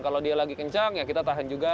kalau dia lagi kencang ya kita tahan juga